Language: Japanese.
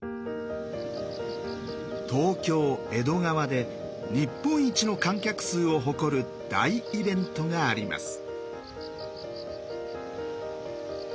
東京・江戸川で日本一の観客数を誇る大イベントがあります。